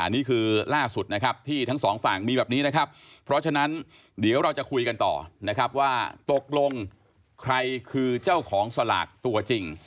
นี่คือล่าสุดนะครับที่ทั้งสองฝั่งมีแบบนี้นะครับเพราะฉะนั้นเดี๋ยวเราจะคุยกันต่อนะครับว่าตกลงใครคือเจ้าของสลากตัวจริง